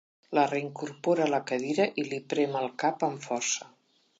La reincorpora a la cadira i li prem el cap amb força.